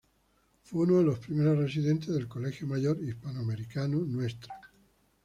Fue uno de los primeros residentes del Colegio Mayor Hispanoamericano "Ntra.